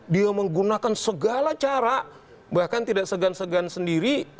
dia menggunakan segala cara bahkan tidak segan segan sendiri